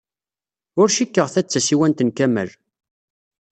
Ur cikkeɣ ta d tasiwant n Kamal.